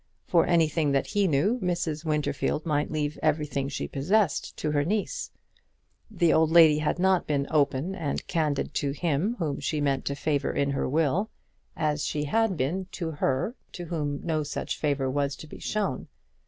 For anything that he knew, Mrs. Winterfield might leave everything she possessed to her niece. The old lady had not been open and candid to him whom she meant to favour in her will, as she had been to her to whom no such favour was to be shown.